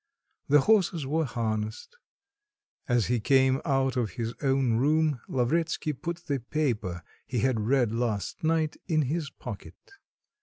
The horses were harnessed. As he came out of his own room, Lavretsky put the paper he had read last night in his pocket.